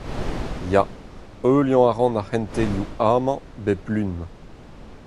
Ya, heuliañ a ran ar c'hentelioù amañ bep Lun.